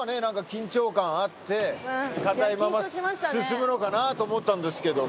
緊張感あって硬いまま進むのかなと思ったんですけども。